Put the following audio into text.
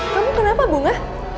kamu kenapa bunga